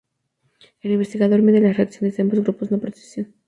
El investigador mide las reacciones de ambos grupos con precisión.